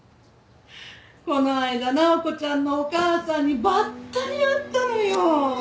この間直子ちゃんのお母さんにばったり会ったのよ。